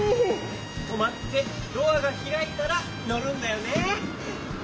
とまってドアがひらいたらのるんだよね。